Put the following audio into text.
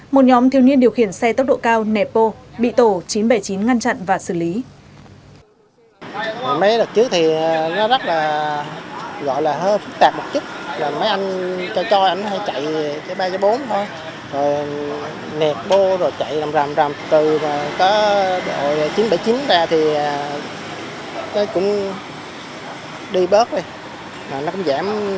một nhóm thiếu niên điều khiển xe tốc độ cao nepo bị tổ chín trăm bảy mươi chín ngăn chặn và xử lý